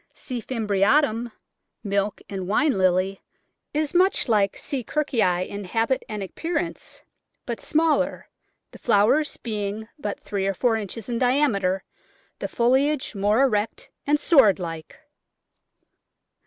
C. fimbriatum — Milk and wine Lily — is much like C. Kirkii in habit and appearance, but smaller, the flowers being but three or four inches in diameter, the foliage more erect and sword like.